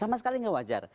sama sekali nggak wajar